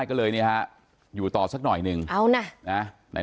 ฐานพระพุทธรูปทองคำ